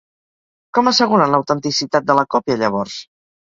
Com asseguren l'autenticitat de la còpia, llavors?